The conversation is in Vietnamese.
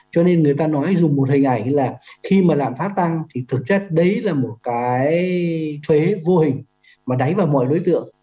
cho nên người ta nói dùng một hình ảnh là khi mà lạm phát tăng thì thực chất đấy là một cái thuế vô hình mà đáy vào mọi đối tượng